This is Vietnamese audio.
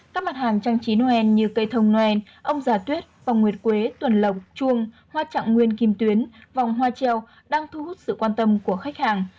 các mặt hàng trang trí noel như cây thông noel ông già tuyết vòng nguyệt quế tuần lồng chuông hoa trạng nguyên kim tuyến vòng hoa treo đang thu hút sự quan tâm của khách hàng